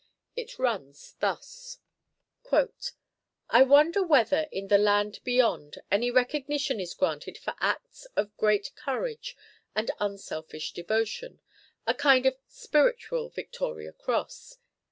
It runs thus: "I wonder whether in the 'Land Beyond' any recognition is granted for acts of great courage and unselfish devotion a kind of spiritual Victoria Cross.